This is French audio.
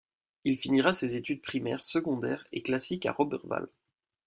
Il finira ses études primaires, secondaires et classiques à Roberval.